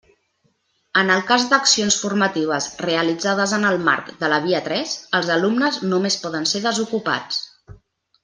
En el cas d'accions formatives realitzades en el marc de la Via tres, els alumnes només poden ser desocupats.